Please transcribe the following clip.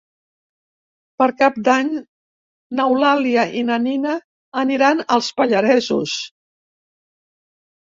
Per Cap d'Any n'Eulàlia i na Nina aniran als Pallaresos.